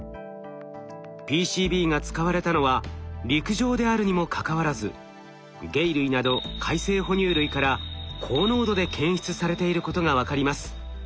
ＰＣＢが使われたのは陸上であるにもかかわらず鯨類など海棲哺乳類から高濃度で検出されていることが分かります。